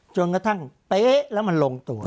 จนกระทั่งเป๊ะแล้วมันลงตัว